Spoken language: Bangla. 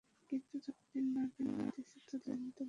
কিন্তু যতদিন না তাহা হইতেছে, ততদিন তোমরা চঞ্চল বালকমাত্র।